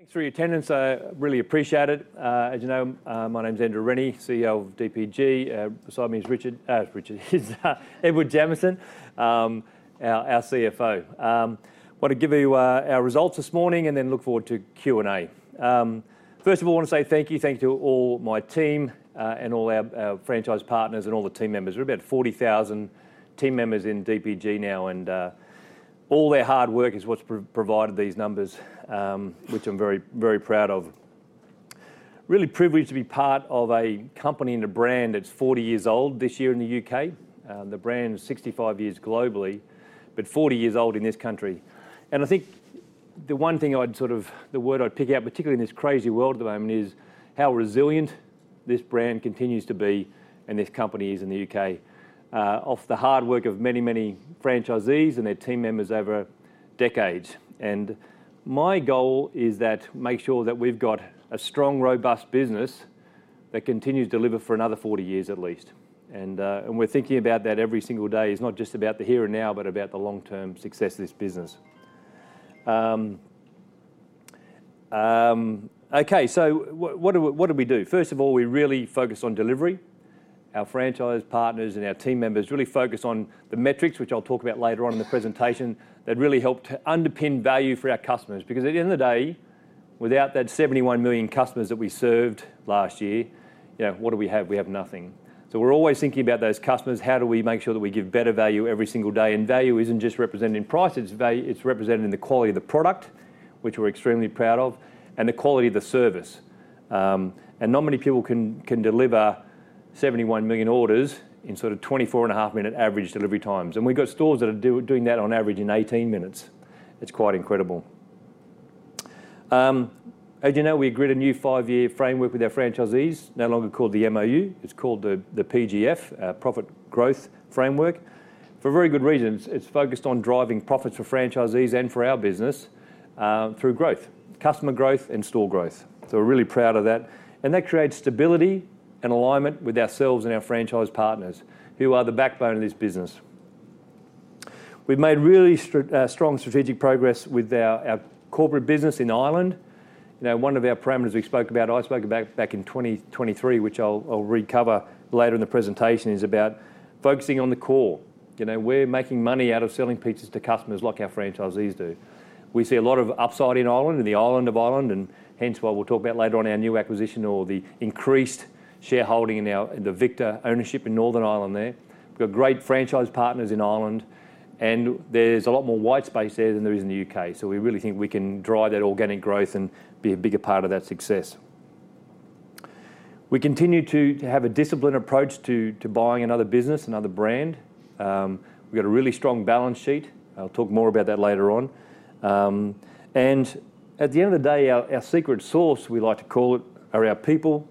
Thanks for your attendance. I really appreciate it. As you know, my name's Andrew Rennie, CEO of DPG. Beside me is—oh, it's Richard Stuber. He's Edward Jamieson, our CFO. I want to give you our results this morning and then look forward to Q&A. First of all, I want to say thank you. Thank you to all my team and all our franchise partners and all the team members. We're about 40,000 team members in DPG now, and all their hard work is what's provided these numbers, which I'm very, very proud of. Really privileged to be part of a company and a brand that's 40 years old this year in the U.K. The brand is 65 years globally, but 40 years old in this country. I think the one thing I'd sort of—the word I'd pick out, particularly in this crazy world at the moment, is how resilient this brand continues to be and this company is in the U.K., off the hard work of many, many franchisees and their team members over decades. My goal is that make sure that we've got a strong, robust business that continues to deliver for another 40 years at least. We're thinking about that every single day. It's not just about the here and now, but about the long-term success of this business. Okay, what do we do? First of all, we really focus on delivery. Our franchise partners and our team members really focus on the metrics, which I'll talk about later on in the presentation, that really help to underpin value for our customers. Because at the end of the day, without that 71 million customers that we served last year, what do we have? We have nothing. We are always thinking about those customers. How do we make sure that we give better value every single day? Value is not just represented in price. It is represented in the quality of the product, which we are extremely proud of, and the quality of the service. Not many people can deliver 71 million orders in sort of 24.5 minute average delivery times. We have stores that are doing that on average in 18 minutes. It is quite incredible. As you know, we agreed a new five-year framework with our franchisees, no longer called the MOU. It is called the PGF, Profit Growth Framework, for a very good reason. It's focused on driving profits for franchisees and for our business through growth, customer growth, and store growth. We're really proud of that. That creates stability and alignment with ourselves and our franchise partners, who are the backbone of this business. We've made really strong strategic progress with our corporate business in Ireland. One of our parameters we spoke about, I spoke about back in 2023, which I'll cover later in the presentation, is about focusing on the core. We're making money out of selling pizzas to customers like our franchisees do. We see a lot of upside in Ireland and the island of Ireland, and hence why we'll talk about later on our new acquisition or the increased shareholding in the Victa ownership in Northern Ireland there. We've got great franchise partners in Ireland, and there's a lot more white space there than there is in the U.K. We really think we can drive that organic growth and be a bigger part of that success. We continue to have a disciplined approach to buying another business, another brand. We've got a really strong balance sheet. I'll talk more about that later on. At the end of the day, our secret sauce, we like to call it, are our people,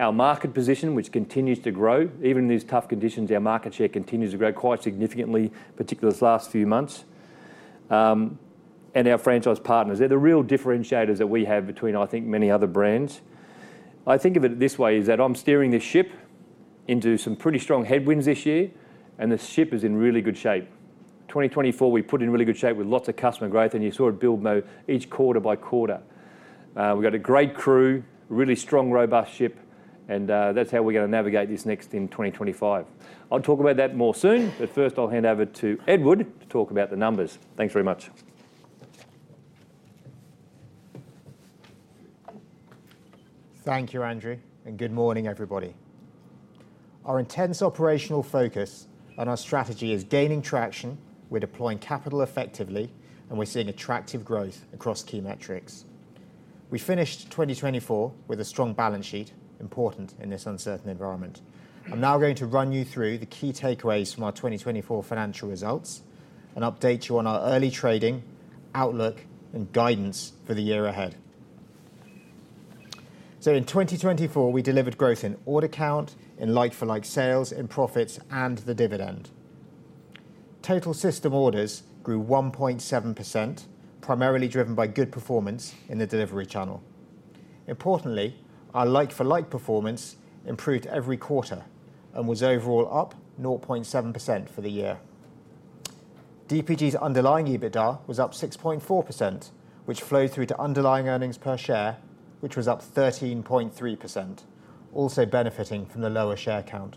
our market position, which continues to grow even in these tough conditions. Our market share continues to grow quite significantly, particularly this last few months. Our franchise partners, they're the real differentiators that we have between, I think, many other brands. I think of it this way: I'm steering this ship into some pretty strong headwinds this year, and this ship is in really good shape. 2024, we put in really good shape with lots of customer growth, and you saw it build each quarter by quarter. We've got a great crew, really strong, robust ship, and that's how we're going to navigate this next in 2025. I'll talk about that more soon, but first I'll hand over to Edward to talk about the numbers. Thanks very much. Thank you, Andrew Rennie, and good morning, everybody. Our intense operational focus and our strategy is gaining traction. We're deploying capital effectively, and we're seeing attractive growth across key metrics. We finished 2024 with a strong balance sheet, important in this uncertain environment. I'm now going to run you through the key takeaways from our 2024 financial results and update you on our early trading outlook and guidance for the year ahead. In 2024, we delivered growth in order count, in like-for-like sales, in profits, and the dividend. Total system orders grew 1.7%, primarily driven by good performance in the delivery channel. Importantly, our like-for-like performance improved every quarter and was overall up 0.7% for the year. DPG's underlying EBITDA was up 6.4%, which flowed through to underlying earnings per share, which was up 13.3%, also benefiting from the lower share count.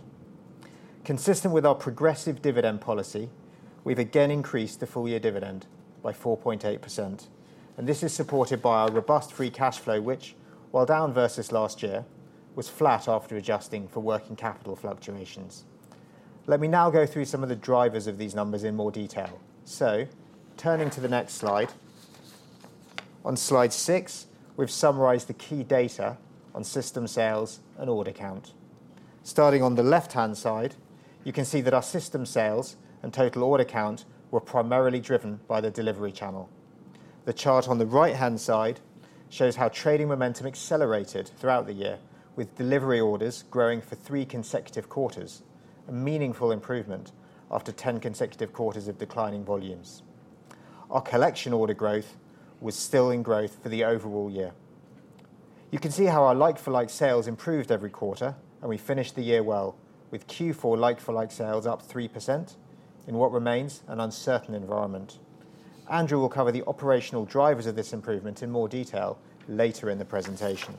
Consistent with our progressive dividend policy, we have again increased the full-year dividend by 4.8%. This is supported by our robust free cash flow, which, while down versus last year, was flat after adjusting for working capital fluctuations. Let me now go through some of the drivers of these numbers in more detail. Turning to the next slide, on slide six, we have summarized the key data on system sales and order count. Starting on the left-hand side, you can see that our system sales and total order count were primarily driven by the delivery channel. The chart on the right-hand side shows how trading momentum accelerated throughout the year, with delivery orders growing for three consecutive quarters, a meaningful improvement after 10 consecutive quarters of declining volumes. Our collection order growth was still in growth for the overall year. You can see how our like-for-like sales improved every quarter, and we finished the year well with Q4 like-for-like sales up 3% in what remains an uncertain environment. Andrew will cover the operational drivers of this improvement in more detail later in the presentation.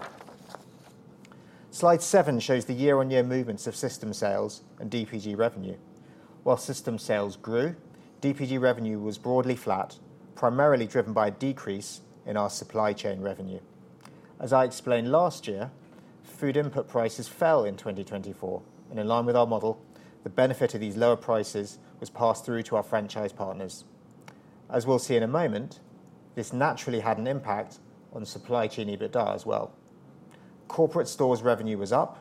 Slide seven shows the year-on-year movements of system sales and DPG revenue. While system sales grew, DPG revenue was broadly flat, primarily driven by a decrease in our supply chain revenue. As I explained last year, food input prices fell in 2024. In line with our model, the benefit of these lower prices was passed through to our franchise partners. As we will see in a moment, this naturally had an impact on supply chain EBITDA as well. Corporate stores' revenue was up,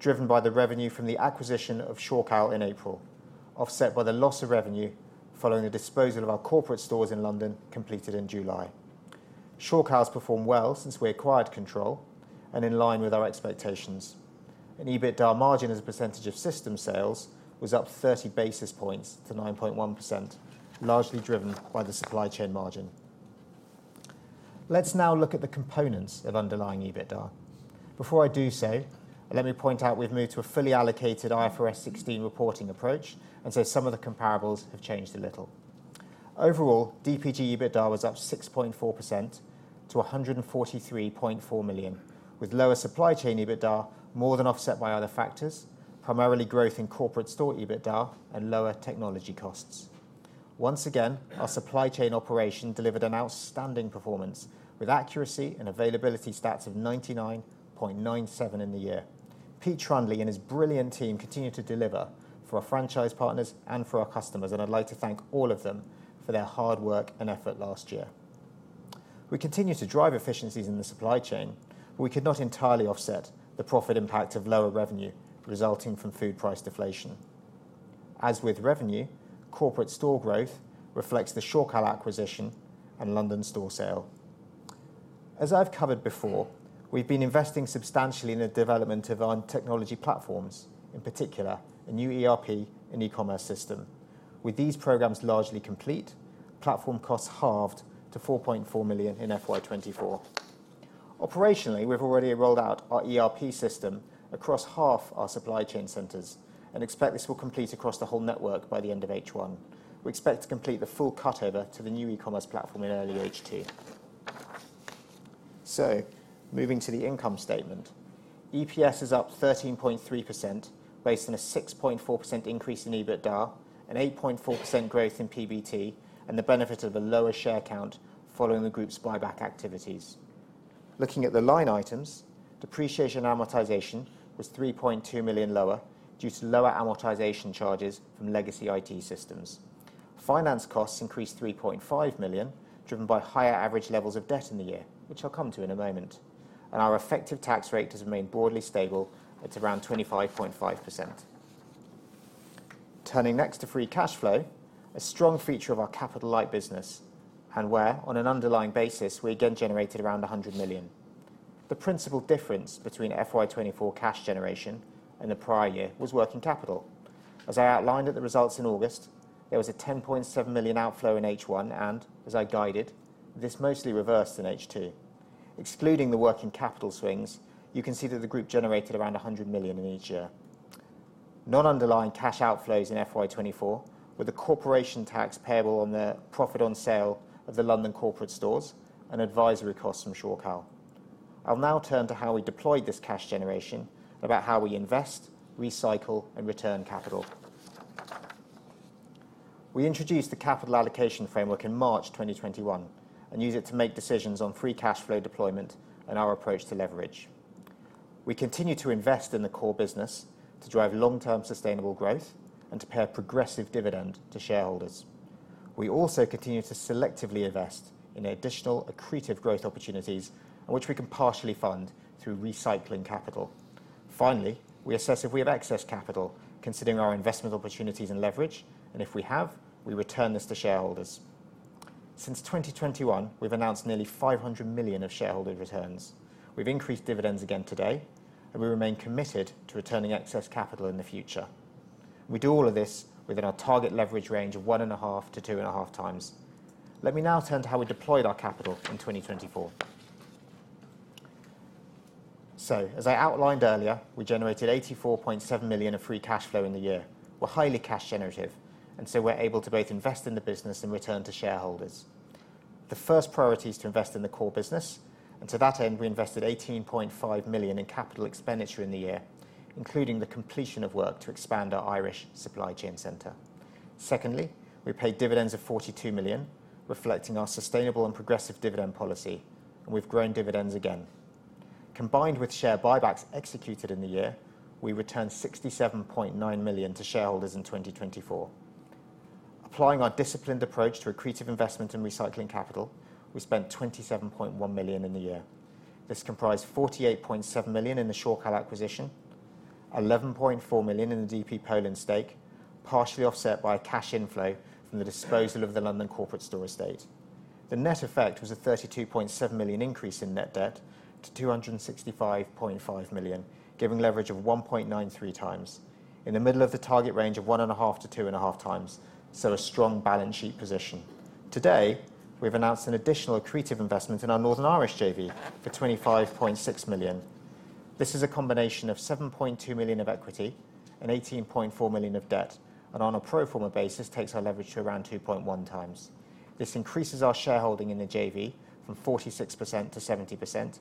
driven by the revenue from the acquisition of Shorecal in April, offset by the loss of revenue following the disposal of our corporate stores in London completed in July. Shorecal's performed well since we acquired control and in line with our expectations. EBITDA margin as a percentage of system sales was up 30 basis points to 9.1%, largely driven by the supply chain margin. Let's now look at the components of underlying EBITDA. Before I do so, let me point out we've moved to a fully allocated IFRS 16 reporting approach, and so some of the comparables have changed a little. Overall, DPG EBITDA was up 6.4% to 143.4 million, with lower supply chain EBITDA more than offset by other factors, primarily growth in corporate store EBITDA and lower technology costs. Once again, our supply chain operation delivered an outstanding performance with accuracy and availability stats of 99.97 in the year. Pete Trundley and his brilliant team continue to deliver for our franchise partners and for our customers, and I'd like to thank all of them for their hard work and effort last year. We continue to drive efficiencies in the supply chain, but we could not entirely offset the profit impact of lower revenue resulting from food price deflation. As with revenue, corporate store growth reflects the Shorecal acquisition and London store sale. As I've covered before, we've been investing substantially in the development of our technology platforms, in particular a new ERP and e-commerce system. With these programs largely complete, platform costs halved to 4.4 million in FY2024. Operationally, we've already rolled out our ERP system across half our supply chain centers and expect this will complete across the whole network by the end of H1. We expect to complete the full cutover to the new e-commerce platform in early H1. Moving to the income statement, EPS is up 13.3% based on a 6.4% increase in EBITDA, an 8.4% growth in PBT, and the benefit of a lower share count following the group's buyback activities. Looking at the line items, depreciation and amortization was 3.2 million lower due to lower amortization charges from legacy IT systems. Finance costs increased 3.5 million, driven by higher average levels of debt in the year, which I'll come to in a moment. Our effective tax rate has remained broadly stable at around 25.5%. Turning next to free cash flow, a strong feature of our capital-light business and where, on an underlying basis, we again generated around 100 million. The principal difference between FY2024 cash generation and the prior year was working capital. As I outlined at the results in August, there was a 10.7 million outflow in H1, and as I guided, this mostly reversed in H2. Excluding the working capital swings, you can see that the group generated around 100 million in each year. Non-underlying cash outflows in FY2024 were the corporation tax payable on the profit on sale of the London corporate stores and advisory costs from Shorecal. I'll now turn to how we deployed this cash generation, about how we invest, recycle, and return capital. We introduced the capital allocation framework in March 2021 and use it to make decisions on free cash flow deployment and our approach to leverage. We continue to invest in the core business to drive long-term sustainable growth and to pay a progressive dividend to shareholders. We also continue to selectively invest in additional accretive growth opportunities, which we can partially fund through recycling capital. Finally, we assess if we have excess capital, considering our investment opportunities and leverage, and if we have, we return this to shareholders. Since 2021, we've announced nearly 500 million of shareholder returns. We've increased dividends again today, and we remain committed to returning excess capital in the future. We do all of this within our target leverage range of 1.5-2.5 times. Let me now turn to how we deployed our capital in 2024. As I outlined earlier, we generated 84.7 million of free cash flow in the year. We're highly cash generative, and so we're able to both invest in the business and return to shareholders. The first priority is to invest in the core business, and to that end, we invested 18.5 million in capital expenditure in the year, including the completion of work to expand our Irish supply chain center. Secondly, we paid dividends of 42 million, reflecting our sustainable and progressive dividend policy, and we've grown dividends again. Combined with share buybacks executed in the year, we returned 67.9 million to shareholders in 2024. Applying our disciplined approach to accretive investment and recycling capital, we spent 27.1 million in the year. This comprised 48.7 million in the Shorecal acquisition, 11.4 million in the DP Poland stake, partially offset by a cash inflow from the disposal of the London corporate store estate. The net effect was a 32.7 million increase in net debt to 265.5 million, giving leverage of 1.93 times, in the middle of the target range of one and a half to two and a half times, so a strong balance sheet position. Today, we've announced an additional accretive investment in our Northern Irish JV for 25.6 million. This is a combination of 7.2 million of equity and 18.4 million of debt, and on a pro forma basis takes our leverage to around 2.1 times. This increases our shareholding in the JV from 46% to 70%,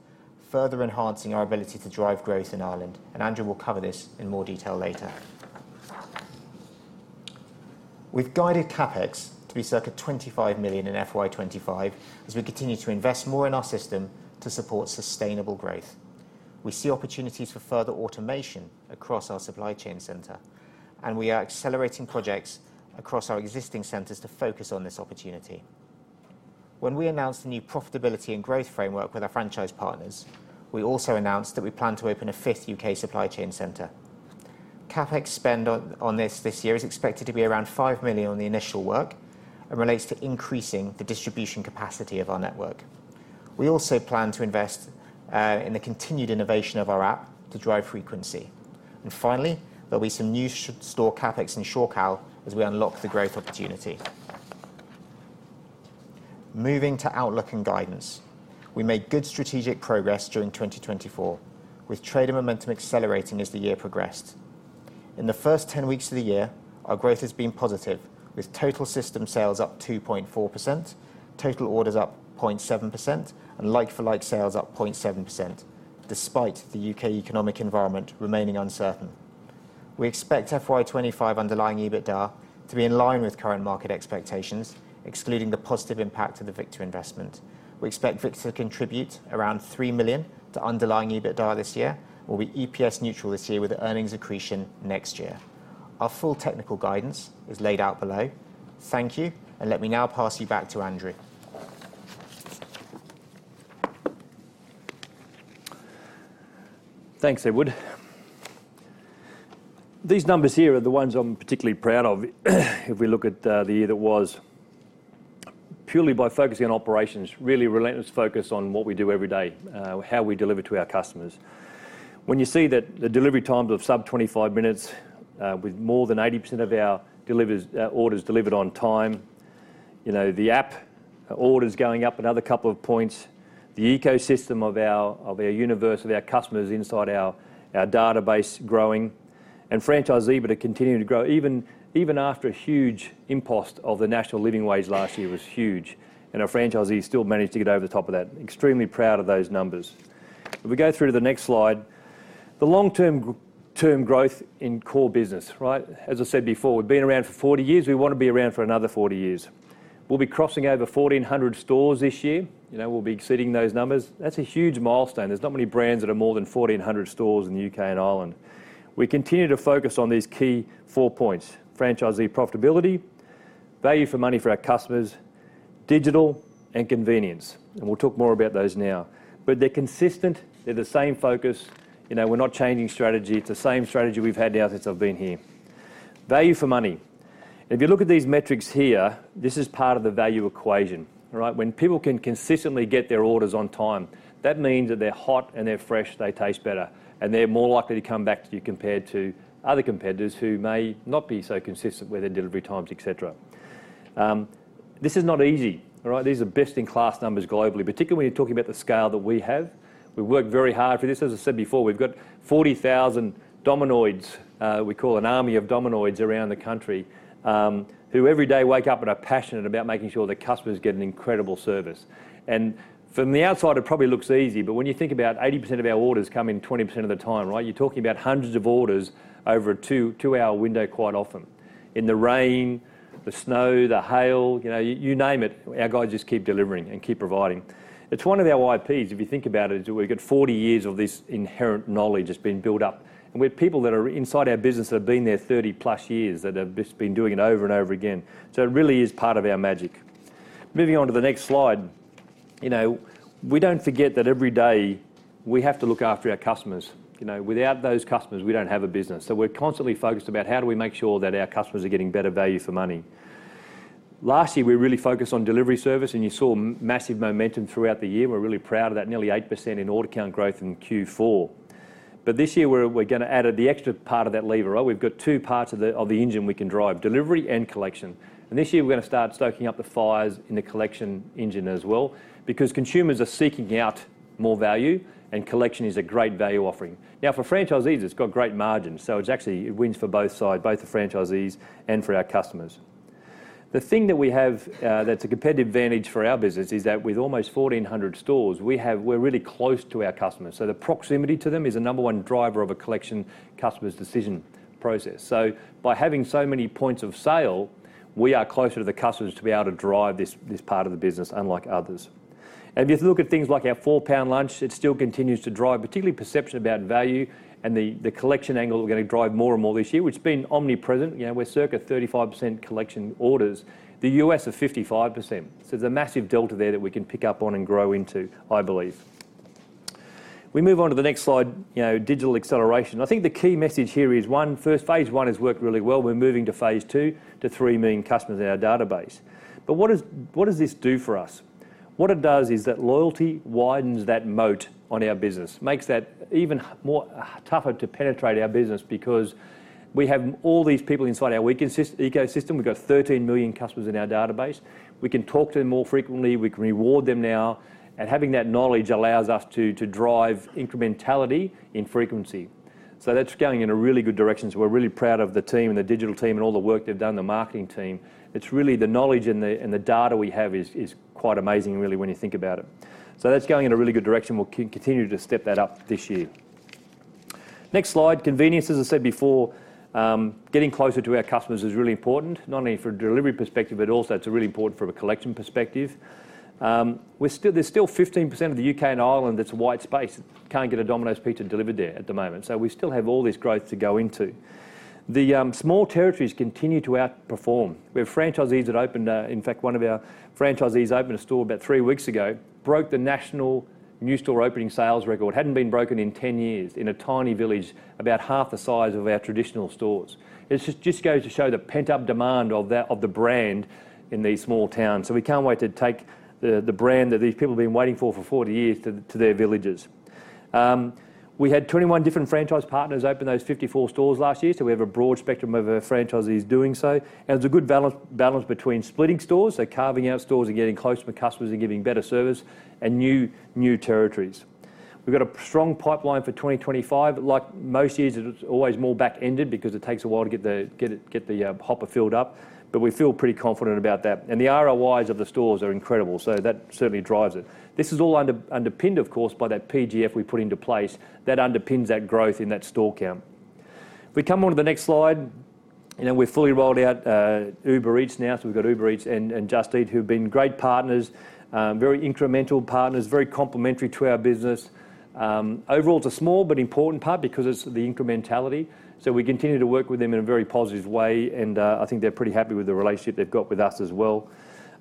further enhancing our ability to drive growth in Ireland, and Andrew Rennie will cover this in more detail later. We've guided CapEx to be circa 25 million in FY2025 as we continue to invest more in our system to support sustainable growth. We see opportunities for further automation across our supply chain center, and we are accelerating projects across our existing centers to focus on this opportunity. When we announced the new profitability and growth framework with our franchise partners, we also announced that we plan to open a fifth U.K. supply chain center. CapEx spend on this this year is expected to be around 5 million on the initial work and relates to increasing the distribution capacity of our network. We also plan to invest in the continued innovation of our app to drive frequency. Finally, there will be some new store CapEx in Shorecal as we unlock the growth opportunity. Moving to outlook and guidance, we made good strategic progress during 2024, with trading momentum accelerating as the year progressed. In the first 10 weeks of the year, our growth has been positive, with total system sales up 2.4%, total orders up 0.7%, and like-for-like sales up 0.7%, despite the U.K., economic environment remaining uncertain. We expect FY25 underlying EBITDA to be in line with current market expectations, excluding the positive impact of the Victa investment. We expect Victa to contribute around 3 million to underlying EBITDA this year. We'll be EPS neutral this year with earnings accretion next year. Our full technical guidance is laid out below. Thank you, and let me now pass you back to Andrew Rennie. Thanks, Edward. These numbers here are the ones I'm particularly proud of if we look at the year that was. Purely by focusing on operations, really relentless focus on what we do every day, how we deliver to our customers. When you see that the delivery times of sub 25 minutes, with more than 80% of our orders delivered on time, the app orders going up another couple of points, the ecosystem of our universe of our customers inside our database growing, and franchisee but are continuing to grow even after a huge impost of the national living wage last year was huge, and our franchisee still managed to get over the top of that. Extremely proud of those numbers. If we go through to the next slide, the long-term growth in core business, right? As I said before, we've been around for 40 years. We want to be around for another 40 years. We'll be crossing over 1,400 stores this year. We'll be exceeding those numbers. That's a huge milestone. There are not many brands that are more than 1,400 stores in the U.K., and Ireland. We continue to focus on these key four points: franchisee profitability, value for money for our customers, digital, and convenience. We will talk more about those now. They are consistent. They are the same focus. We are not changing strategy. It is the same strategy we have had now since I have been here. Value for money. If you look at these metrics here, this is part of the value equation. When people can consistently get their orders on time, that means that they're hot and they're fresh, they taste better, and they're more likely to come back to you compared to other competitors who may not be so consistent with their delivery times, etc. This is not easy. These are best-in-class numbers globally, particularly when you're talking about the scale that we have. We work very hard for this. As I said before, we've got 40,000 dominoids. We call an army of dominoids around the country who every day wake up and are passionate about making sure that customers get an incredible service. From the outside, it probably looks easy, but when you think about 80% of our orders come in 20% of the time, you're talking about hundreds of orders over a two-hour window quite often. In the rain, the snow, the hail, you name it, our guys just keep delivering and keep providing. It's one of our IPs, if you think about it, is that we've got 40 years of this inherent knowledge that's been built up. And we're people that are inside our business that have been there 30 plus years that have just been doing it over and over again. It really is part of our magic. Moving on to the next slide. We don't forget that every day we have to look after our customers. Without those customers, we don't have a business. We're constantly focused about how do we make sure that our customers are getting better value for money. Last year, we really focused on delivery service, and you saw massive momentum throughout the year. We're really proud of that, nearly 8% in order count growth in Q4. This year, we're going to add the extra part of that lever. We've got two parts of the engine we can drive: delivery and collection. This year, we're going to start stoking up the fires in the collection engine as well because consumers are seeking out more value, and collection is a great value offering. Now, for franchisees, it's got great margins, so it actually wins for both sides, both the franchisees and for our customers. The thing that we have that's a competitive advantage for our business is that with almost 1,400 stores, we're really close to our customers. The proximity to them is a number one driver of a collection customer's decision process. By having so many points of sale, we are closer to the customers to be able to drive this part of the business, unlike others. If you look at things like our £4 Lunch, it still continues to drive, particularly perception about value and the collection angle that we are going to drive more and more this year, which has been omnipresent. We are circa 35% collection orders. The U.S., are 55%. There is a massive delta there that we can pick up on and grow into, I believe. We move on to the next slide, digital acceleration. I think the key message here is, one, first phase one has worked really well. We are moving to phase two to 3 million customers in our database. What does this do for us? What it does is that loyalty widens that moat on our business, makes that even more tougher to penetrate our business because we have all these people inside our ecosystem. We have got 13 million customers in our database. We can talk to them more frequently. We can reward them now. Having that knowledge allows us to drive incrementality in frequency. That is going in a really good direction. We are really proud of the team and the digital team and all the work they have done, the marketing team. The knowledge and the data we have is quite amazing, really, when you think about it. That is going in a really good direction. We will continue to step that up this year. Next slide. Convenience, as I said before, getting closer to our customers is really important, not only from a delivery perspective, but also it is really important from a collection perspective. There is still 15% of the U.K., and Ireland that is white space. Cannot get a Domino's Pizza delivered there at the moment. We still have all this growth to go into. The small territories continue to outperform. We have franchisees that opened, in fact, one of our franchisees opened a store about three weeks ago, broke the national new store opening sales record. Hadn't been broken in 10 years in a tiny village, about half the size of our traditional stores. It just goes to show the pent-up demand of the brand in these small towns. We cannot wait to take the brand that these people have been waiting for for 40 years to their villages. We had 21 different franchise partners open those 54 stores last year. We have a broad spectrum of franchisees doing so. It is a good balance between splitting stores, carving out stores and getting closer to customers and giving better service and new territories. We have a strong pipeline for 2025. Like most years, it's always more back-ended because it takes a while to get the hopper filled up. We feel pretty confident about that. The ROIs of the stores are incredible. That certainly drives it. This is all underpinned, of course, by that PGF we put into place that underpins that growth in that store count. If we come on to the next slide, we're fully rolled out Uber Eats now. We've got Uber Eats and Just Eat, who've been great partners, very incremental partners, very complementary to our business. Overall, it's a small but important part because it's the incrementality. We continue to work with them in a very positive way, and I think they're pretty happy with the relationship they've got with us as well.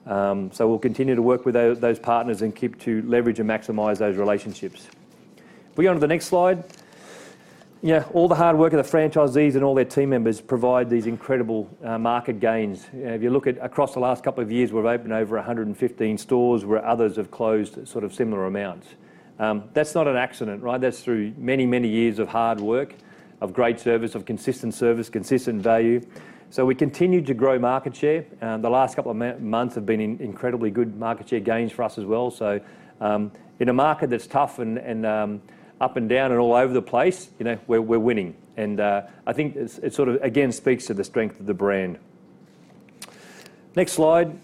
We will continue to work with those partners and keep to leverage and maximize those relationships. If we go on to the next slide, all the hard work of the franchisees and all their team members provide these incredible market gains. If you look at across the last couple of years, we've opened over 115 stores where others have closed sort of similar amounts. That's not an accident, right? That's through many, many years of hard work, of great service, of consistent service, consistent value. We continue to grow market share. The last couple of months have been incredibly good market share gains for us as well. In a market that's tough and up and down and all over the place, we're winning. I think it sort of, again, speaks to the strength of the brand. Next slide.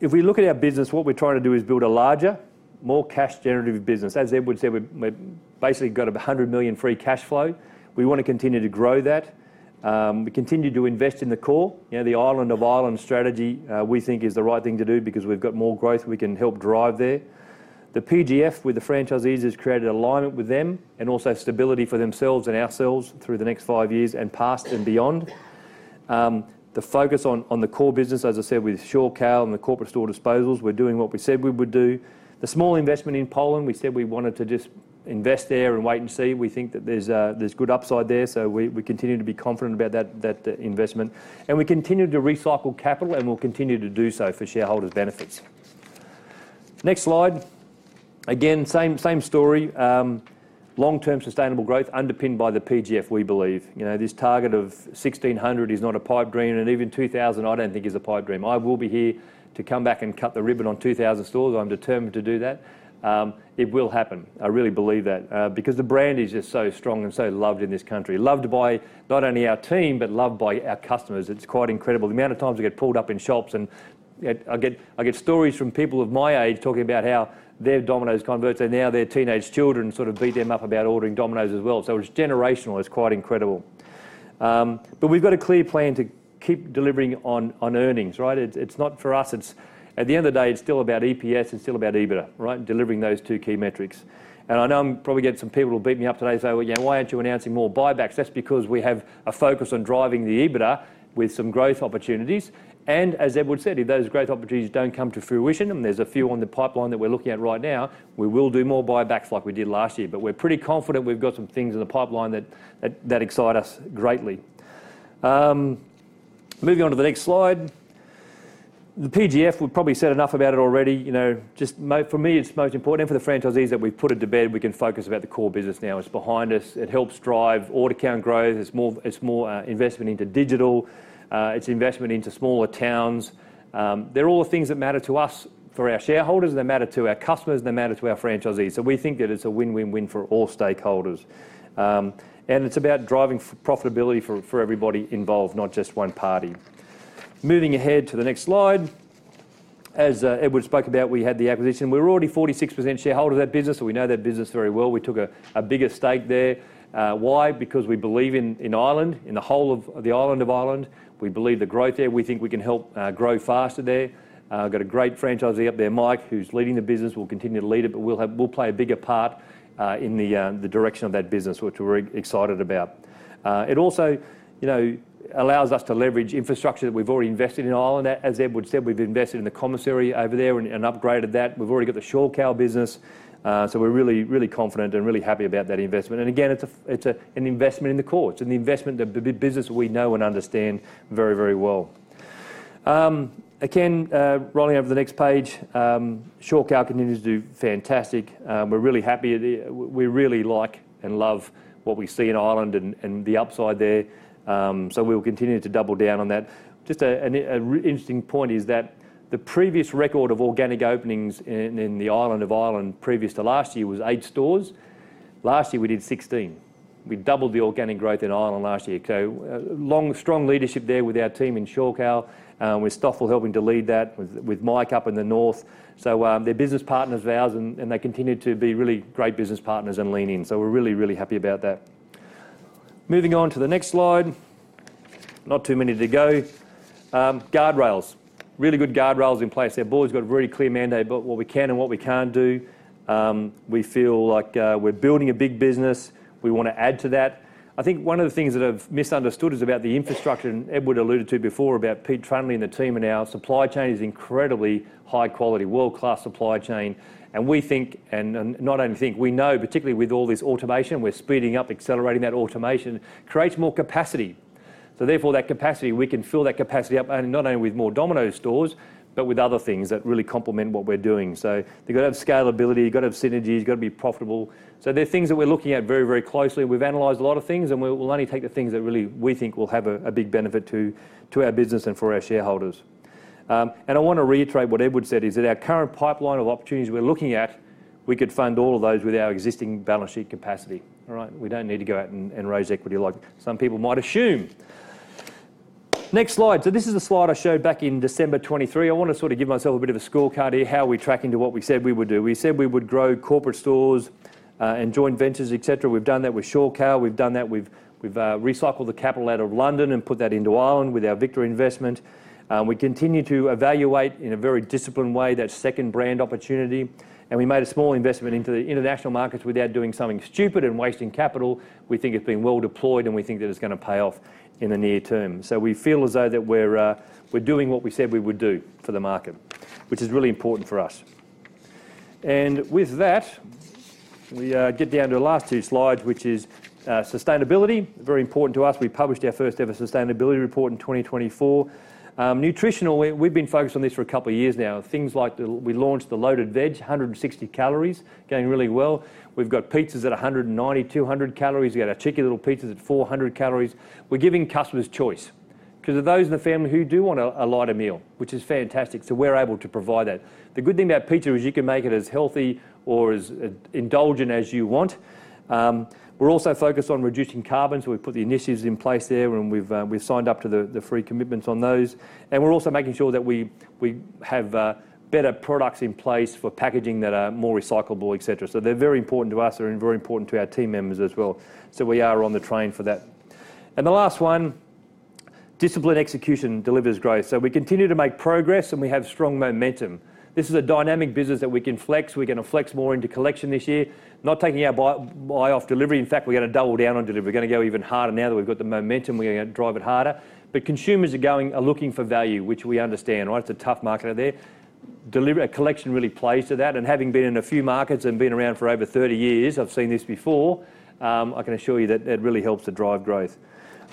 If we look at our business, what we're trying to do is build a larger, more cash-generative business. As Edward said, we basically got 100 million free cash flow. We want to continue to grow that. We continue to invest in the core, the island of Ireland strategy, we think is the right thing to do because we've got more growth we can help drive there. The PGF with the franchisees has created alignment with them and also stability for themselves and ourselves through the next five years and past and beyond. The focus on the core business, as I said, with Shorecal and the corporate store disposals, we're doing what we said we would do. The small investment in Poland, we said we wanted to just invest there and wait and see. We think that there's good upside there. We continue to be confident about that investment. We continue to recycle capital, and we'll continue to do so for shareholders' benefits. Next slide. Again, same story. Long-term sustainable growth underpinned by the PGF, we believe. This target of 1,600 is not a pipe dream. And even 2,000, I don't think is a pipe dream. I will be here to come back and cut the ribbon on 2,000 stores. I'm determined to do that. It will happen. I really believe that because the brand is just so strong and so loved in this country, loved by not only our team, but loved by our customers. It's quite incredible. The amount of times we get pulled up in shops and I get stories from people of my age talking about how they're Domino's converts and now their teenage children sort of beat them up about ordering Domino's as well. It's generational. It's quite incredible. We've got a clear plan to keep delivering on earnings, right? It's not for us. At the end of the day, it's still about EPS and still about EBITDA, right? Delivering those two key metrics. I know I'm probably getting some people who will beat me up today. Yeah, why aren't you announcing more buybacks? That's because we have a focus on driving the EBITDA with some growth opportunities. As Edward said, if those growth opportunities don't come to fruition, and there's a few on the pipeline that we're looking at right now, we will do more buybacks like we did last year. We're pretty confident we've got some things in the pipeline that excite us greatly. Moving on to the next slide. The PGF, we've probably said enough about it already. Just for me, it's most important for the franchisees that we've put it to bed. We can focus about the core business now. It's behind us. It helps drive order count growth. It is more investment into digital. It is investment into smaller towns. They are all the things that matter to us for our shareholders. They matter to our customers. They matter to our franchisees. We think that it is a win-win-win for all stakeholders. It is about driving profitability for everybody involved, not just one party. Moving ahead to the next slide. As Edward spoke about, we had the acquisition. We are already 46% shareholders of that business, so we know that business very well. We took a bigger stake there. Why? Because we believe in Ireland, in the whole of the island of Ireland. We believe the growth there. We think we can help grow faster there. I have got a great franchisee up there, Mike, who is leading the business. We'll continue to lead it, but we'll play a bigger part in the direction of that business, which we're excited about. It also allows us to leverage infrastructure that we've already invested in Ireland. As Edward said, we've invested in the commissary over there and upgraded that. We've already got the Shorecal business. We are really, really confident and really happy about that investment. Again, it's an investment in the core. It's an investment in the business we know and understand very, very well. Rolling over to the next page, Shorecal continues to do fantastic. We are really happy. We really like and love what we see in Ireland and the upside there. We will continue to double down on that. Just an interesting point is that the previous record of organic openings in the island of Ireland previous to last year was eight stores. Last year, we did 16. We doubled the organic growth in Ireland last year. Strong leadership there with our team in Shorecal. We are still helping to lead that with Mike up in the north. Their business partners uncertain, and they continue to be really great business partners and lean in. We are really, really happy about that. Moving on to the next slide. Not too many to go. Guardrails. Really good guardrails in place. They have always got a very clear mandate about what we can and what we cannot do. We feel like we are building a big business. We want to add to that. I think one of the things that I have misunderstood is about the infrastructure. Edward alluded to before about Pete Trundley and the team. Our supply chain is incredibly high-quality, world-class supply chain. We think, and not only think, we know, particularly with all this automation, we're speeding up, accelerating that automation, creates more capacity. Therefore, that capacity, we can fill that capacity up not only with more Domino's stores, but with other things that really complement what we're doing. You've got to have scalability. You've got to have synergy. You've got to be profitable. There are things that we're looking at very, very closely. We've analyzed a lot of things, and we'll only take the things that really we think will have a big benefit to our business and for our shareholders. I want to reiterate what Edward said, is that our current pipeline of opportunities we're looking at, we could fund all of those with our existing balance sheet capacity. All right? We don't need to go out and raise equity like some people might assume. Next slide. This is the slide I showed back in December 2023. I want to sort of give myself a bit of a scorecard here, how we track into what we said we would do. We said we would grow corporate stores and joint ventures, etc. We've done that with Shorecal. We've done that. We've recycled the capital out of London and put that into Ireland with our Victa investment. We continue to evaluate in a very disciplined way that second brand opportunity. We made a small investment into the international markets without doing something stupid and wasting capital. We think it's been well deployed, and we think that it's going to pay off in the near term. We feel as though that we're doing what we said we would do for the market, which is really important for us. With that, we get down to the last two slides, which is sustainability, very important to us. We published our first-ever sustainability report in 2024. Nutritional, we've been focused on this for a couple of years now. Things like we launched the Loaded Veg, 160 calories, going really well. We've got pizzas at 190, 200 calories. We've got our Cheeky Little Pizzas at 400 calories. We're giving customers choice because of those in the family who do want a lighter meal, which is fantastic. We're able to provide that. The good thing about pizza is you can make it as healthy or as indulgent as you want. We're also focused on reducing carbon. We've put the initiatives in place there, and we've signed up to the free commitments on those. We are also making sure that we have better products in place for packaging that are more recyclable, etc. They are very important to us. They are very important to our team members as well. We are on the train for that. The last one, discipline execution delivers growth. We continue to make progress, and we have strong momentum. This is a dynamic business that we can flex. We are going to flex more into collection this year, not taking our eye off delivery. In fact, we are going to double down on delivery. We are going to go even harder now that we have got the momentum. We are going to drive it harder. Consumers are looking for value, which we understand, right? It is a tough market out there. Collection really plays to that. Having been in a few markets and being around for over 30 years, I've seen this before, I can assure you that it really helps to drive growth.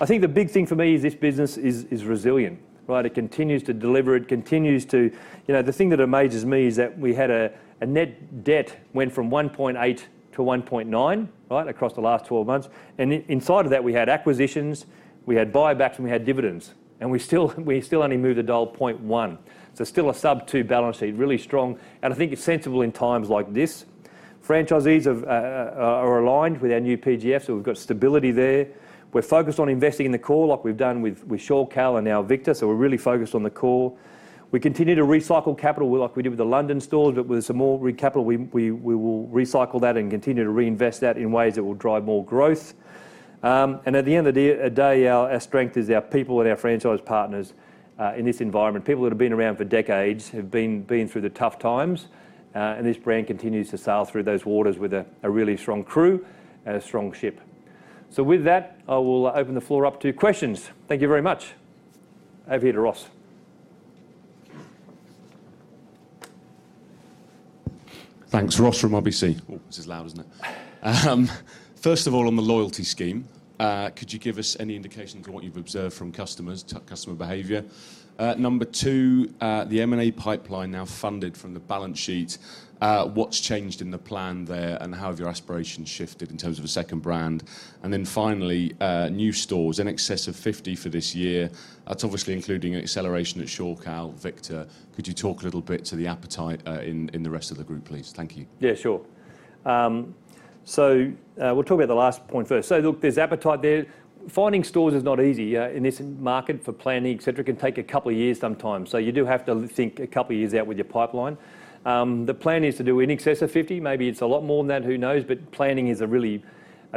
I think the big thing for me is this business is resilient, right? It continues to deliver. It continues to—the thing that amazes me is that we had a net debt went from 1.8 billion to 1.9 billion, right, across the last 12 months. Inside of that, we had acquisitions, we had buybacks, and we had dividends. We still only moved the dial 0.1. Still a sub-2 balance sheet, really strong. I think it's sensible in times like this. Franchisees are aligned with our new PGF, so we've got stability there. We're focused on investing in the core like we've done with Shorecal and now Victa. We're really focused on the core. We continue to recycle capital like we did with the London stores, but with some more capital, we will recycle that and continue to reinvest that in ways that will drive more growth. At the end of the day, our strength is our people and our franchise partners in this environment. People that have been around for decades have been through the tough times. This brand continues to sail through those waters with a really strong crew and a strong ship. With that, I will open the floor up to questions. Thank you very much. Over here to Ruairi. Thanks. Ruairi from RBC. Oh, this is loud, isn't it? First of all, on the loyalty scheme, could you give us any indication to what you've observed from customers, customer behavior? Number two, the M&A pipeline now funded from the balance sheet, what's changed in the plan there, and how have your aspirations shifted in terms of a second brand? Finally, new stores, in excess of 50 for this year, that's obviously including acceleration at Shorecal, Victa. Could you talk a little bit to the appetite in the rest of the group, please? Thank you. Yeah, sure. We'll talk about the last point first. Look, there's appetite there. Finding stores is not easy in this market for planning, etc. It can take a couple of years sometimes. You do have to think a couple of years out with your pipeline. The plan is to do in excess of 50. Maybe it's a lot more than that, who knows? Planning is a really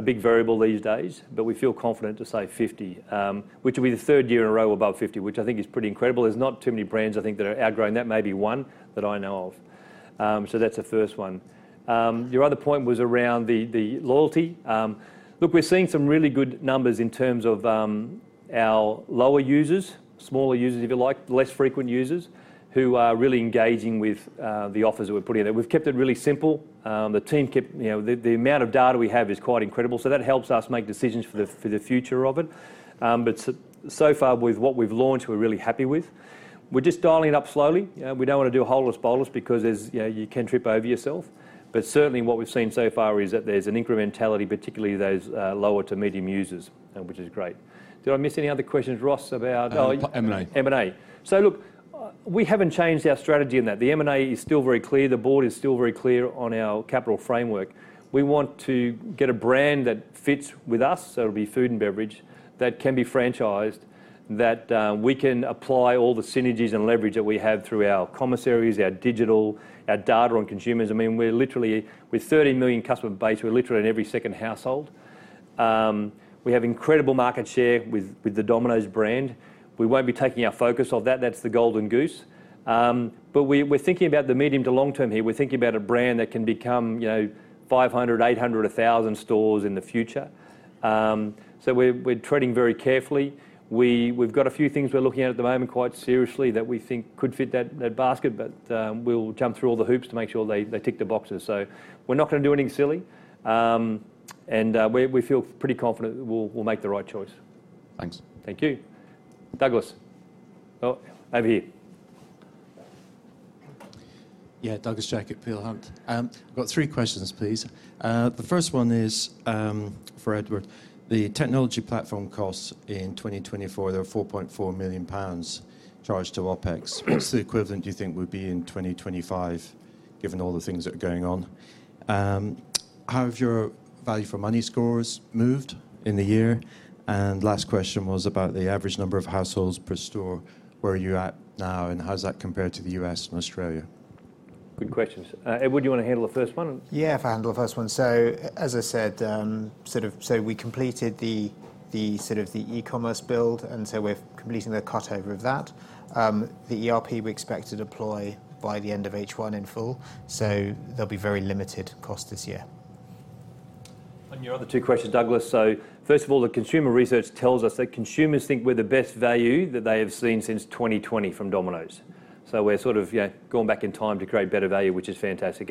big variable these days. We feel confident to say 50, which will be the third year in a row above 50, which I think is pretty incredible. There's not too many brands, I think, that are outgrowing that, maybe one that I know of. That's the first one. Your other point was around the loyalty. Look, we're seeing some really good numbers in terms of our lower users, smaller users, if you like, less frequent users, who are really engaging with the offers that we're putting out. We've kept it really simple. The team kept the amount of data we have is quite incredible. So that helps us make decisions for the future of it. But so far, with what we've launched, we're really happy with. We're just dialing it up slowly. We don't want to do a hole in the bottles because you can trip over yourself. Certainly, what we've seen so far is that there's an incrementality, particularly those lower to medium users, which is great. Did I miss any other questions, Ruairi, about M&A? M&A. Look, we have not changed our strategy in that. The M&A is still very clear. The board is still very clear on our capital framework. We want to get a brand that fits with us. It will be food and beverage that can be franchised, that we can apply all the synergies and leverage that we have through our commissaries, our digital, our data on consumers. I mean, we are literally, with 30 million customer base, we are literally in every second household. We have incredible market share with the Domino's brand. We will not be taking our focus off that. That is the golden goose. We are thinking about the medium to long term here. We are thinking about a brand that can become 500-800-1,000 stores in the future. We are treading very carefully. We've got a few things we're looking at at the moment quite seriously that we think could fit that basket, but we'll jump through all the hoops to make sure they tick the boxes. We're not going to do anything silly. We feel pretty confident we'll make the right choice. Thanks. Thank you. Douglas Jack. Over here. Yeah, Douglas Jack, Peel Hunt, I've got three questions, please. The first one is for Edward. The technology platform costs in 2024, there were 4.4 million pounds charged to OpEx. What's the equivalent you think would be in 2025, given all the things that are going on? How have your value for money scores moved in the year? Last question was about the average number of households per store. Where are you at now, and how does that compare to the U.S., and Australia? Good questions. Edward, do you want to handle the first one? Yeah, if I handle the first one. As I said, we completed the sort of the e-commerce build, and we are completing the cutover of that. The ERP we expect to deploy by the end of H1 in full. There will be very limited costs this year. Your other two questions, Douglas Jack. First of all, the consumer research tells us that consumers think we're the best value that they have seen since 2020 from Domino's. We're sort of going back in time to create better value, which is fantastic.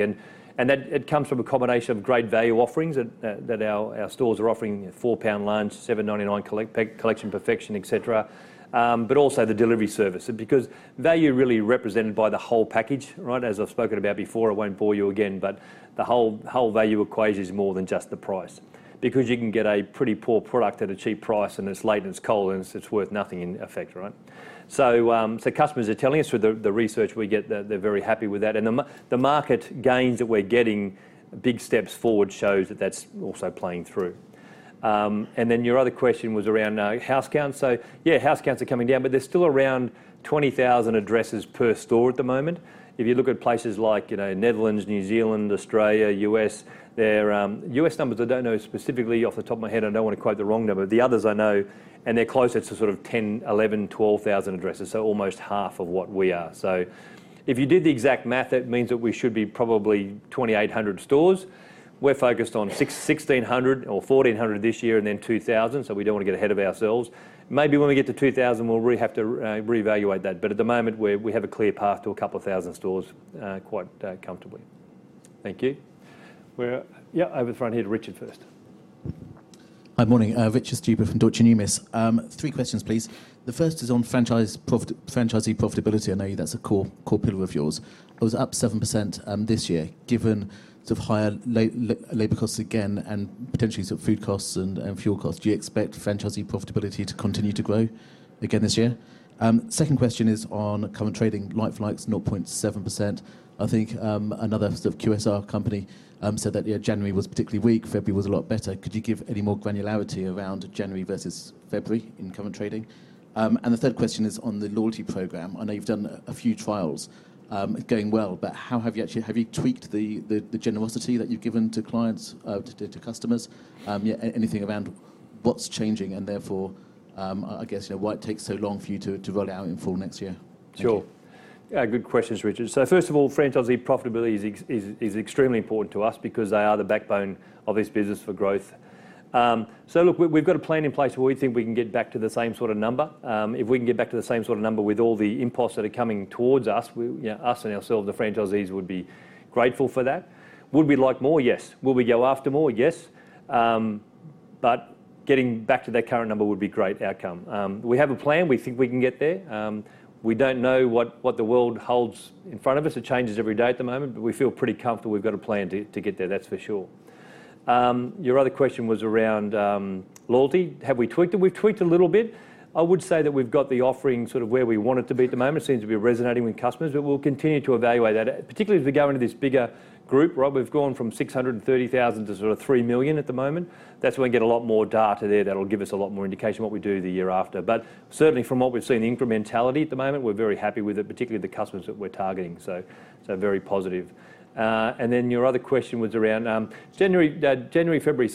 It comes from a combination of great value offerings that our stores are offering: 4 pound Lunch, 7.99 Collection Perfection, etc. Also the delivery service. Value is really represented by the whole package, right? As I've spoken about before, I won't bore you again, but the whole value equation is more than just the price. You can get a pretty poor product at a cheap price, and it's late, and it's cold, and it's worth nothing in effect, right? Customers are telling us through the research we get that they're very happy with that. The market gains that we're getting, big steps forward, shows that that's also playing through. Your other question was around house counts. Yeah, house counts are coming down, but there's still around 20,000 addresses per store at the moment. If you look at places like Netherlands, New Zealand, Australia, U.S., there are U.S., numbers I don't know specifically off the top of my head. I don't want to quote the wrong number, but the others I know, and they're closer to sort of 10,000, 11,000, 12,000 addresses. Almost half of what we are. If you did the exact math, that means that we should be probably 2,800 stores. We're focused on 1,600 or 1,400 this year and then 2,000. We don't want to get ahead of ourselves. Maybe when we get to 2,000, we'll really have to reevaluate that. At the moment, we have a clear path to a couple of thousand stores quite comfortably. Thank you. Yeah, over to the front here, Richard Stuber first. Hi, morning. Richard Stuber from Deutsche Numis. Three questions, please. The first is on franchisee profitability. I know that's a core pillar of yours. It was up 7% this year. Given sort of higher labor costs again and potentially sort of food costs and fuel costs, do you expect franchisee profitability to continue to grow again this year? Second question is on current trading like-for-likes, 0.7%. I think another sort of QSR company said that January was particularly weak. February was a lot better. Could you give any more granularity around January versus February in current trading? The third question is on the loyalty program. I know you've done a few trials going well, but how have you actually tweaked the generosity that you've given to clients, to customers? Anything around what's changing and therefore, I guess, why it takes so long for you to roll out in full next year? Sure. Good questions, Richard Stuber. First of all, franchisee profitability is extremely important to us because they are the backbone of this business for growth. Look, we've got a plan in place where we think we can get back to the same sort of number. If we can get back to the same sort of number with all the imposts that are coming towards us, us and ourselves, the franchisees would be grateful for that. Would we like more? Yes. Will we go after more? Yes. Getting back to that current number would be a great outcome. We have a plan. We think we can get there. We don't know what the world holds in front of us. It changes every day at the moment, but we feel pretty comfortable. We've got a plan to get there, that's for sure. Your other question was around loyalty. Have we tweaked it? We've tweaked a little bit. I would say that we've got the offering sort of where we want it to be at the moment. It seems to be resonating with customers, but we'll continue to evaluate that, particularly as we go into this bigger group, right? We've gone from 630,000 to sort of 3 million at the moment. That's where we get a lot more data there that'll give us a lot more indication of what we do the year after. Certainly, from what we've seen, the incrementality at the moment, we're very happy with it, particularly the customers that we're targeting. Very positive. Your other question was around January, February.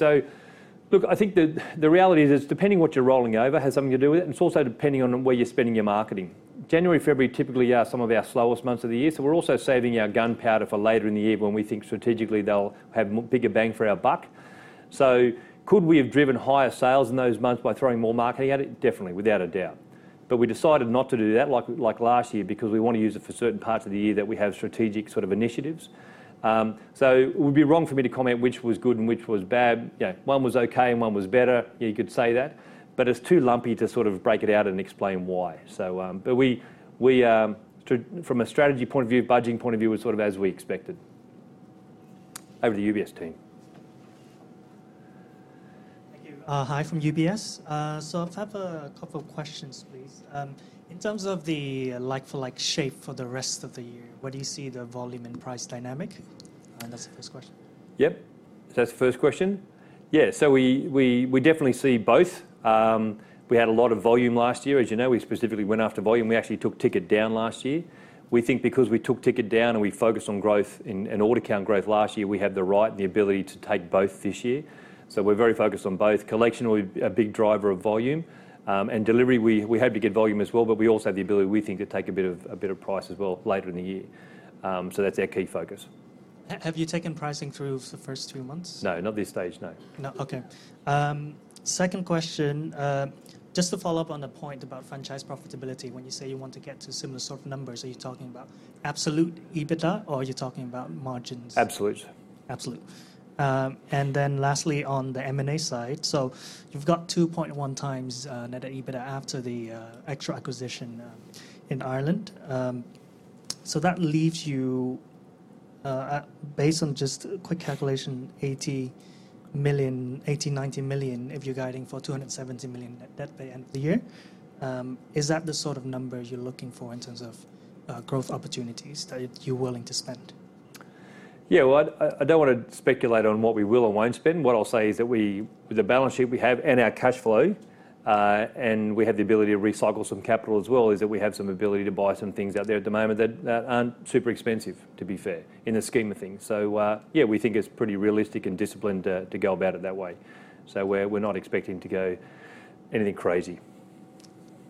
I think the reality is it's depending what you're rolling over has something to do with it. It's also depending on where you're spending your marketing. January, February typically are some of our slowest months of the year. We are also saving our gunpowder for later in the year when we think strategically they will have bigger bang for our buck. Could we have driven higher sales in those months by throwing more marketing at it? Definitely, without a doubt. We decided not to do that like last year because we want to use it for certain parts of the year that we have strategic sort of initiatives. It would be wrong for me to comment which was good and which was bad. One was okay and one was better. You could say that. It is too lumpy to sort of break it out and explain why. From a strategy point of view, budgeting point of view, it was sort of as we expected. Over to the UBS team. Thank you. Hi from UBS. I have a couple of questions, please. In terms of the like-for-like shape for the rest of the year, where do you see the volume and price dynamic? That is the first question. Yep. That is the first question. Yeah. We definitely see both. We had a lot of volume last year. As you know, we specifically went after volume. We actually took ticket down last year. We think because we took ticket down and we focused on growth and order count growth last year, we have the right and the ability to take both this year. We are very focused on both. Collection will be a big driver of volume. Delivery, we hope to get volume as well, but we also have the ability, we think, to take a bit of price as well later in the year. That is our key focus. Have you taken pricing through the first three months? No, not at this stage, no. No. Okay. Second question, just to follow up on the point about franchise profitability, when you say you want to get to similar sort of numbers, are you talking about absolute EBITDA or are you talking about margins? Absolutes. Absolute. Lastly, on the M&A side, you have 2.1 times net EBITDA after the extra acquisition in Ireland. That leaves you, based on just a quick calculation, 80 million-90 million, if you are guiding for 270 million net by end of the year. Is that the sort of number you are looking for in terms of growth opportunities that you are willing to spend? Yeah, I don't want to speculate on what we will or won't spend. What I'll say is that with the balance sheet we have and our cash flow, and we have the ability to recycle some capital as well, is that we have some ability to buy some things out there at the moment that aren't super expensive, to be fair, in the scheme of things. Yeah, we think it's pretty realistic and disciplined to go about it that way. We're not expecting to go anything crazy.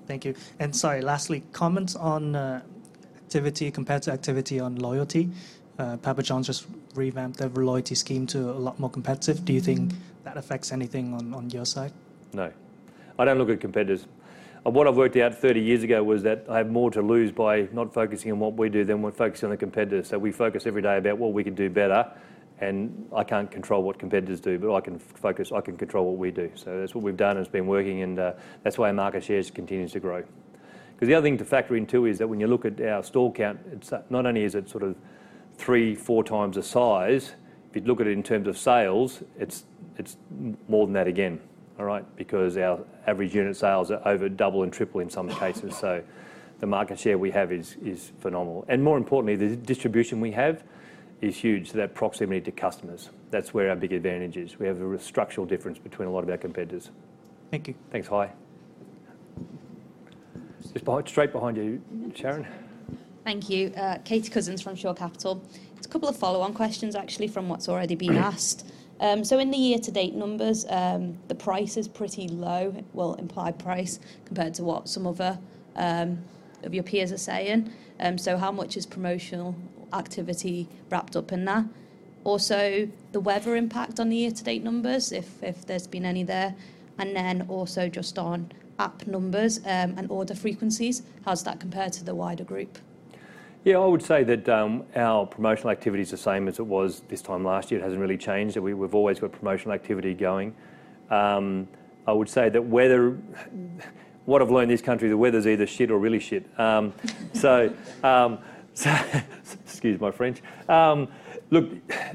Thank you. Sorry, lastly, comments on activity compared to activity on loyalty. Papa John's just revamped their loyalty scheme to a lot more competitive. Do you think that affects anything on your side? No. I don't look at competitors. What I've worked out 30 years ago was that I have more to lose by not focusing on what we do than we're focusing on the competitors. We focus every day about what we can do better. I can't control what competitors do, but I can control what we do. That's what we've done and it's been working. That's why our market share continues to grow. The other thing to factor into is that when you look at our store count, not only is it sort of three-four times the size, if you look at it in terms of sales, it's more than that again, all right? Our average unit sales are over double and triple in some cases. The market share we have is phenomenal. More importantly, the distribution we have is huge. That proximity to customers, that's where our big advantage is. We have a structural difference between a lot of our competitors. Thank you. Thanks. Hi. Straight behind you, Katie Cousins. Thank you. Kate Cousins from Shore Capital. It's a couple of follow-on questions, actually, from what's already been asked. In the year-to-date numbers, the price is pretty low, actually, implied price compared to what some of your peers are saying. How much is promotional activity wrapped up in that? Also, the weather impact on the year-to-date numbers, if there's been any there. Also, just on app numbers and order frequencies, how does that compare to the wider group? Yeah, I would say that our promotional activity is the same as it was this time last year. It hasn't really changed. We've always got promotional activity going. I would say that what I've learned in this country, the weather's either shit or really shit. Excuse my French. Look,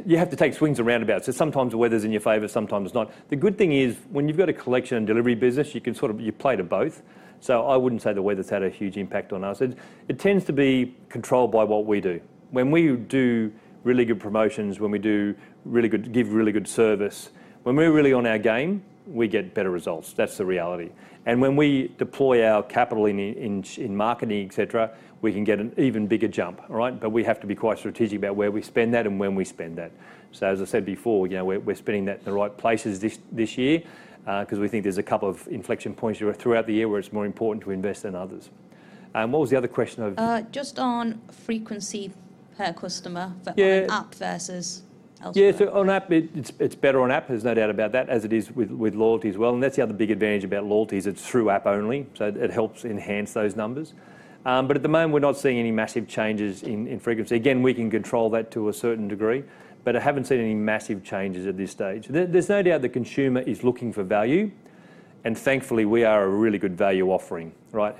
you have to take swings and roundabouts. Sometimes the weather's in your favor, sometimes it's not. The good thing is when you've got a collection and delivery business, you can sort of play to both. I wouldn't say the weather's had a huge impact on us. It tends to be controlled by what we do. When we do really good promotions, when we give really good service, when we're really on our game, we get better results. That's the reality. When we deploy our capital in marketing, etc., we can get an even bigger jump, all right? We have to be quite strategic about where we spend that and when we spend that. As I said before, we're spending that in the right places this year because we think there's a couple of inflection points throughout the year where it's more important to invest than others. What was the other question? Just on frequency per customer, but app versus elsewhere? Yeah, on app, it's better on app. There's no doubt about that, as it is with loyalty as well. That's the other big advantage about loyalty. It's through app only. It helps enhance those numbers. At the moment, we're not seeing any massive changes in frequency. We can control that to a certain degree, but I haven't seen any massive changes at this stage. There's no doubt the consumer is looking for value. Thankfully, we are a really good value offering, right?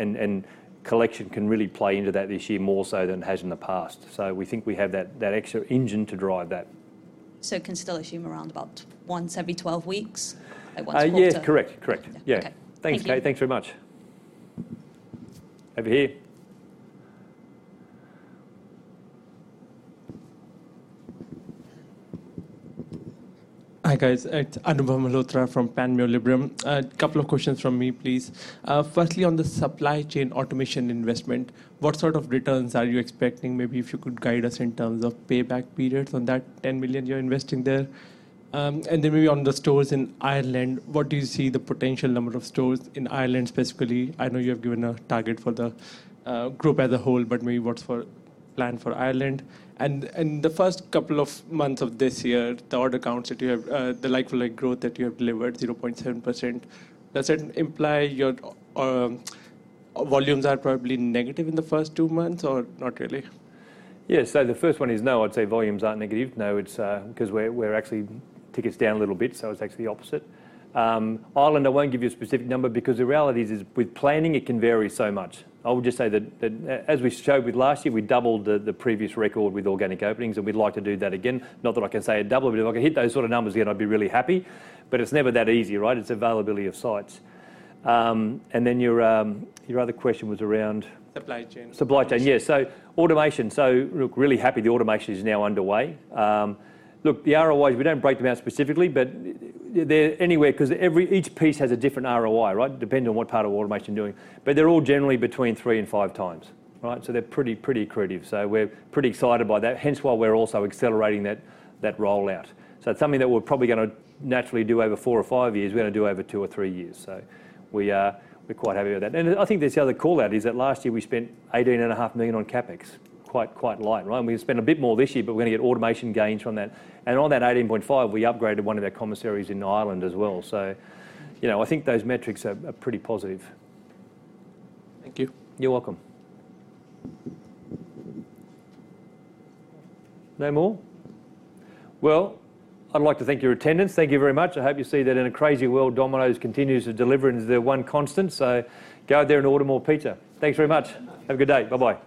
Collection can really play into that this year more so than it has in the past. We think we have that extra engine to drive that. Can still assume around about once every 12 weeks at one spot? Yeah, yeah. Correct. Correct. Yeah. Thanks, Kate. Thanks very much. Over here. Hi, guys. I'm Anubhav Malhotra from Panmure Liberum. A couple of questions from me, please. Firstly, on the supply chain automation investment, what sort of returns are you expecting? Maybe if you could guide us in terms of payback periods on that 10 million you're investing there. On the stores in Ireland, what do you see the potential number of stores in Ireland specifically? I know you have given a target for the group as a whole, but maybe what's the plan for Ireland? In the first couple of months of this year, the order counts that you have, the like-for-like growth that you have delivered, 0.7%, does that imply your volumes are probably negative in the first two months or not really? Yeah, the first one is no, I'd say volumes aren't negative. No, it's because we're actually tickets down a little bit. It's actually the opposite. Ireland, I won't give you a specific number because the reality is with planning, it can vary so much. I would just say that as we showed with last year, we doubled the previous record with organic openings, and we'd like to do that again. Not that I can say it doubled, but if I could hit those sort of numbers again, I'd be really happy. It's never that easy, right? It's availability of sites. Your other question was around. Supply chain. Supply chain, yeah. Automation. Really happy the automation is now underway. The ROIs, we do not break them out specifically, but they are anywhere because each piece has a different ROI, right? Depending on what part of automation you are doing. They are all generally between 3-5 times, right? They are pretty accretive. We are pretty excited by that. Hence why we are also accelerating that rollout. It is something that we are probably going to naturally do over four or five years. We are going to do over two or three years. We are quite happy with that. I think this other call-out is that last year we spent 18.5 million on CapEx. Quite light, right? We are going to spend a bit more this year, but we are going to get automation gains from that. On that 18.5 million, we upgraded one of our commissaries in Ireland as well. I think those metrics are pretty positive. Thank you. You're welcome. No more? I'd like to thank your attendance. Thank you very much. I hope you see that in a crazy world, Domino's continues to deliver and is their one constant. So go out there and order more pizza. Thanks very much. Have a good day. Bye-bye.